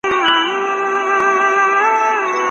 خدای مو وساته له حرصه د ښکاریانو